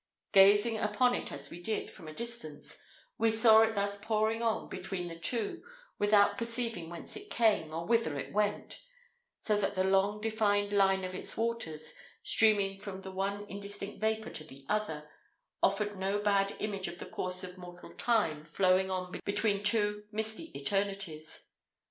Gazing upon it, as we did, from a distance, we saw it thus pouring on, between the two, without perceiving whence it came, or whither it went; so that the long defined line of its waters, streaming from the one indistinct vapour to the other, offered no bad image of the course of mortal time flowing on between two misty eternities.